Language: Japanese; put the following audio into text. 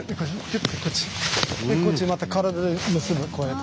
こっちまた軽く結ぶこうやって。